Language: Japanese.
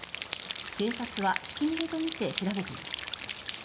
警察はひき逃げとみて調べています。